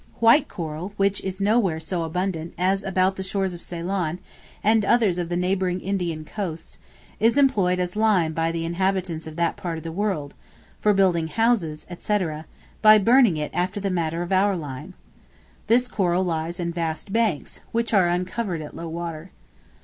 White Coral, which is nowhere so abundant as about the shores of Ceylon, and others of the neighboring Indian coasts, is employed as lime by the inhabitants of that part of the world, for building houses, &c., by burning it after the manner of our lime. This coral lies in vast banks, which are uncovered at low water.